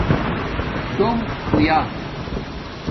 ڈُوم ہویا